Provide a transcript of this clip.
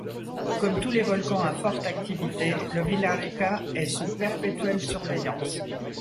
Comme tous les volcans à forte activité, le Villarrica est sous perpétuelle surveillance.